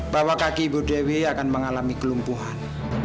bahwa kaki ibu dewi akan mengalami kelumpuhan